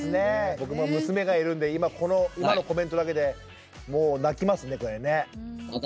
僕も娘がいるんで今のコメントだけでもう泣きますねこれね。